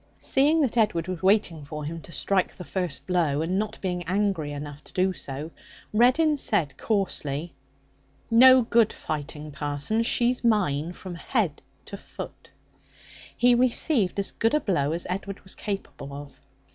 Seeing that Edward was waiting for him to strike the first blow, and not being angry enough to do so, Reddin said coarsely: 'No good fighting, parson! She's mine from head to foot.' He received as good a blow as Edward was capable of.